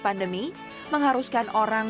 pandemi mengharuskan orang